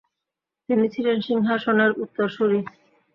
তিনি ছিলেন সিংহাসনের উত্তরসূরি।